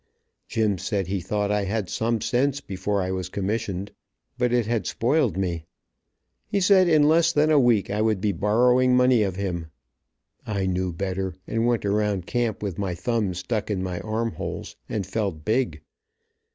Jim said he thought I had some sense before I was commsssioned, but it had spoiled me. He said in less than a week I would be borrowing money of him. I knew better, and went around camp with my thumbs stuck in my armholes, and felt big.